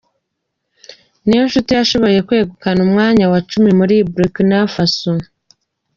Niyonshuti yashoboye kwegukana umwanya wa cumi muri Burkina Faso